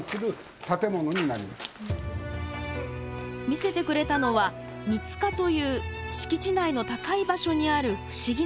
見せてくれたのは水塚という敷地内の高い場所にある不思議な建物。